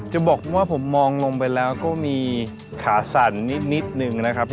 จะบอกว่าผมมองลงไปแล้วก็มีขาสั่นนิดนึงนะครับ